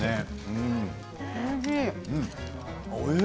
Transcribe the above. おいしい。